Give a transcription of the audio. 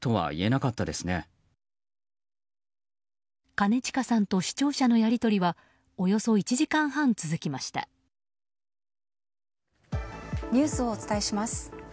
兼近さんと視聴者のやり取りはニュースをお伝えします。